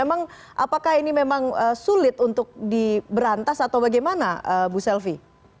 apakah ini memang sulit untuk diberantas atau bagaimana bu selvi